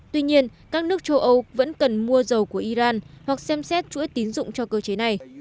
tuy nhiên các nước châu âu vẫn cần mua dầu của iran hoặc xem xét chuỗi tín dụng cho cơ chế này